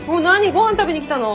ご飯食べに来たの？